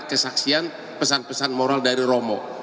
kesaksian pesan pesan moral dari romo